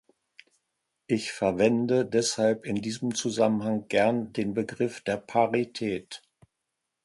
Ich verwende deshalb in diesem Zusammenhang gern den Begriff der Parität.